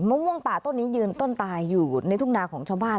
ม่วงป่าต้นนี้ยืนต้นตายอยู่ในทุ่งนาของชาวบ้าน